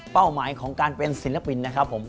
หมายของการเป็นศิลปินนะครับผม